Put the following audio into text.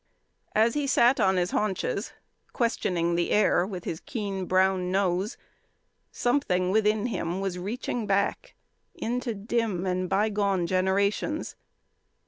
As he sat on his haunches, questioning the air with his keen brown nose, something within him was reaching back into dim and bygone generations.